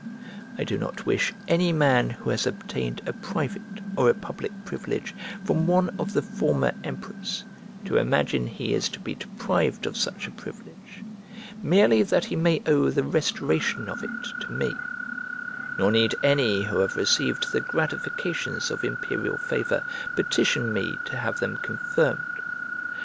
I do not wish any man who has obtained a private or a public privilege from one of the former emperors to imagine he is to be deprived of such a privilege, merely that he may owe the restoration of it to me; nor need any who have received the gratifications of imperial favour petition me to have them confirmed.